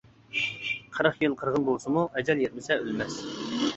قىرىق يىل قىرغىن بولسىمۇ، ئەجەل يەتمىسە ئۆلمەس.